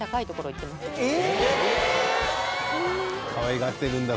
かわいがってるんだ